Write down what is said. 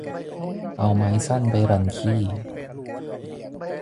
เอาไม้สั้นไปรันขี้